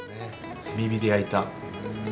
炭火で焼いた。